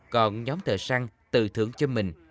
còn nhóm thợ săn tự thưởng cho mình